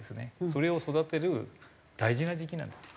それを育てる大事な時期なんです。